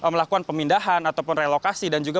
melakukan pemindahan ataupun relokasi dan juga